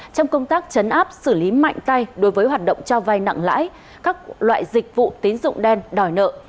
trong công tác chấn áp xử lý mạnh tay đối với hoạt động cho vai nặng lãi các loại dịch vụ tín dụng đen đòi nợ